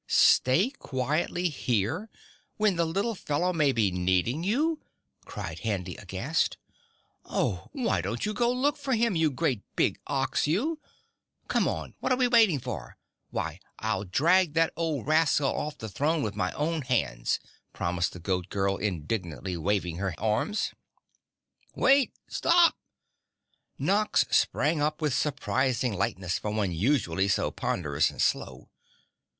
"Stay quietly here when the little fellow may be needing you!" cried Handy aghast. "Oh, why don't you go look for him, you great big OX you! Come on, what are we waiting for? Why I'll drag that old rascal off the throne with my own hands," promised the Goat Girl indignantly waving her arms. "Wait! Stop!" Nox sprang up with surprising lightness for one usually so ponderous and slow.